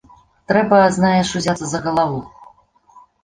Трэба, знаеш, узяцца за галаву!